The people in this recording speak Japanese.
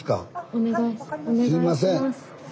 お願いします。